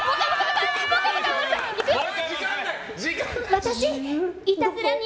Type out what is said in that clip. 私、いたずらに。